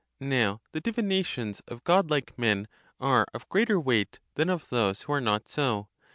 Now the divinations of god like men are of greater weight than of those who are not so.